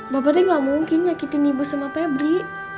bapak tuh gak mungkin nyakitin ibu sama pebri